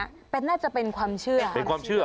น่าจะเป็นความเชื่อเป็นความเชื่อเป็นความเชื่อ